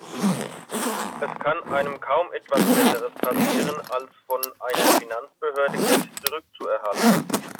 Es kann einem kaum etwas Besseres passieren, als von einer Finanzbehörde Geld zurückzuerhalten.